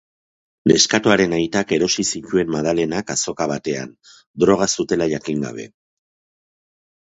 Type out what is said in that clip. Neskatoaren aitak erosi zituen madalenak azoka batean, droga zutela jakin gabe.